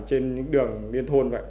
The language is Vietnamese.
trên những đường liên thôn vậy